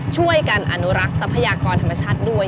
ช่วยกันอนุรักษ์ทรัพยากรธรรมชาติด้วย